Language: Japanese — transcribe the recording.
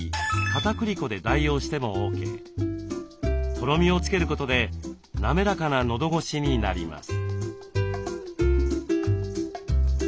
とろみをつけることで滑らかな喉ごしになります。